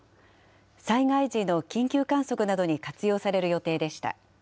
災害時の緊急観測などに活用される予定でした。